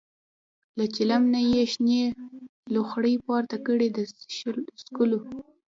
له چلم نه یې شنې لوخړې پورته کړې د څکلو.